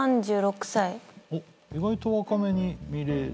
おっ意外と若めに見られる。